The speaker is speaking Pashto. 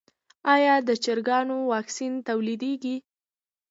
آیا د چرګانو واکسین تولیدیږي؟